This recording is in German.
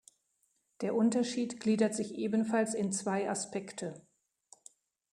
Der Unterschied gliedert sich ebenfalls in zwei Aspekte.